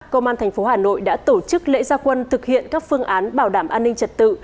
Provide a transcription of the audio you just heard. công an tp hà nội đã tổ chức lễ gia quân thực hiện các phương án bảo đảm an ninh trật tự